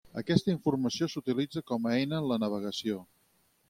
Aquesta informació s'utilitza com a eina en la navegació.